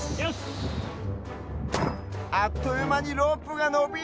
あっというまにロープがのびる！